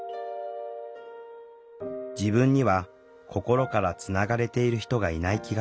自分には心からつながれている人がいない気がする。